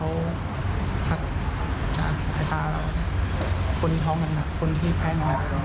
อาจจะเป็น